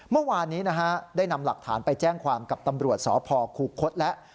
เมื่อวานนี้นะฮะได้นำหลักฐานไปแจ้งความกับตำรวจสพคูคศแล้ว